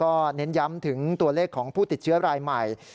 เน้นย้ำถึงตัวเลขของผู้ติดเชื้อรายใหม่